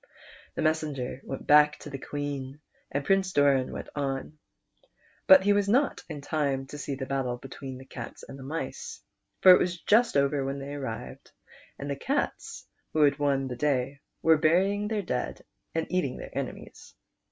The messenger went back to the Queen, and Prince Doran went on ; but he was not in time to see the battle between the cats and mice, for it was just over when they arrived, and the cats, who had won the day, were bur\ ing their dead and eating their enemies.